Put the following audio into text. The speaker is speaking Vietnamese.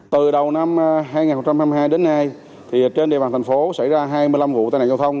từ đầu năm hai nghìn hai mươi hai đến nay trên địa bàn thành phố xảy ra hai mươi năm vụ tai nạn giao thông